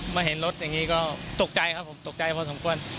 มาเห็นรถอย่างนี้ก็ตกใจครับผมตกใจพอสมควร